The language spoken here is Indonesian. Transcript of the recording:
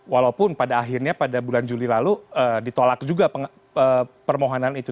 walaupun pada akhirnya pada bulan juli lalu ditolak juga permohonan itu